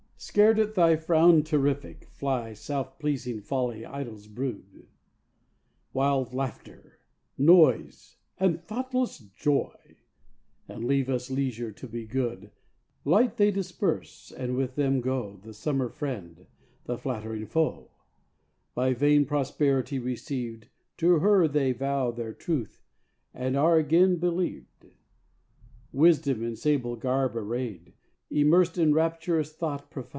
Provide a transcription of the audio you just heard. Scared at thy frown terrific, fly Self pleasing Folly's idle brood, Wild Laughter, Noise, and thoughtless Joy, And leave us leisure to be good. Light they disperse, and with them go The summer Friend, the flattering Foe; By vain Prosperity received To her they vow their truth, and are again believed.